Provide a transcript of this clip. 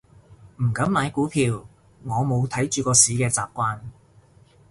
唔敢買股票，我冇睇住個市嘅習慣